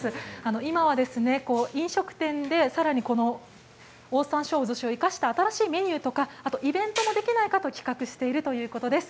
今は飲食店でオオサンショウウオずしを生かした新しいメニューとかイベントもできないかと企画しているということです。